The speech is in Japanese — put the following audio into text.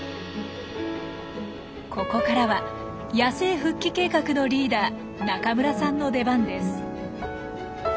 ここからは野生復帰計画のリーダー中村さんの出番です。